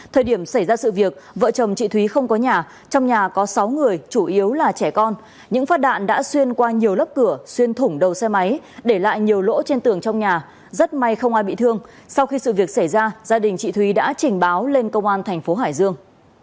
thời điểm xảy ra sự việc vợ chồng chị thúy không có nhà trong nhà có sáu người chủ yếu là trẻ con những phát đạn đã xuyên qua nhiều lớp cửa xuyên thủng đầu xe máy để lại nhiều lỗ trên tường trong nhà rất may không ai bị thương sau khi sự việc xảy ra gia đình chị thúy đã trình báo lên công an thành phố hải dương